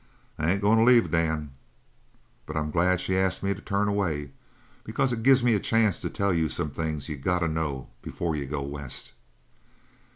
I ain't goin' to leave, Dan. But I'm glad she asked me to turn away, because it gives me a chance to tell you some things you got to know before you go west.